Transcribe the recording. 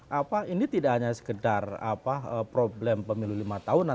bukan mengingatkan tentang problem pemilu lima tahunan